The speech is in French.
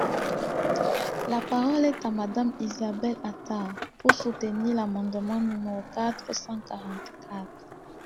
La parole est à Madame Isabelle Attard, pour soutenir l’amendement numéro quatre cent quarante-quatre.